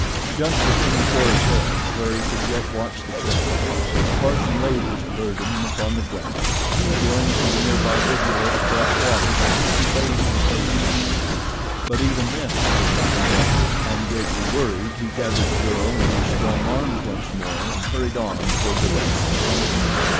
Just within the forest's edge, where he could yet watch the cliff tops, Tarzan laid his burden upon the grass, and going to the near by rivulet brought water with which he bathed her face and hands; but even this did not revive her, and, greatly worried, he gathered the girl into his strong arms once more and hurried on toward the west.